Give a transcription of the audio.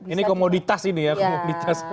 ini komoditas ini ya komoditas